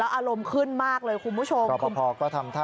ด้วยความเคารพนะคุณผู้ชมในโลกโซเชียล